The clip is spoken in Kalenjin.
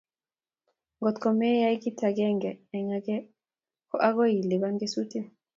Ngot meyai kit agenge eng agenge ko agoi ilipan kesutik